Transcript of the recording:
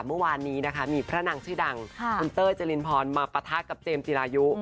เมื่อวานนี้นะคะมีพระนางชื่อดังคุณเต้ยเจรินพรมาปะทะกับเจมส์จิรายุ